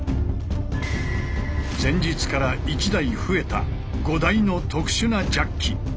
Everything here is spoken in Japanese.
前日から１台増えた５台の特殊なジャッキ。